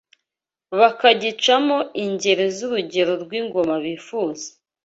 bakagicamo ingeri z’urugero rw’ingoma bifuza